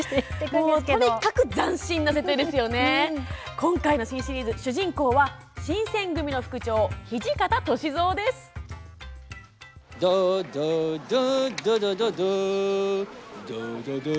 今回の主人公は新選組の副長土方歳三です。